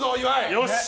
よし！